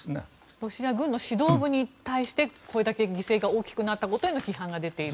ロシア軍の指導部に対してこれだけ犠牲が大きくなったことへの批判が出ていると。